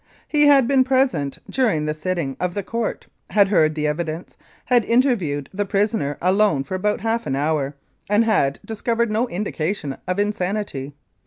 He had been present during the sitting of the Court, had heard the evidence, had interviewed the prisoner alone for about half an hour, and had dis covered no indication of insanity.